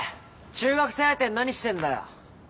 中学生相手に何してんだよ。